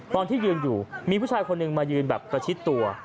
ตอนที่ยืนอยู่มีผู้ชายคนหนึ่งมายืนแบบประชิดตัว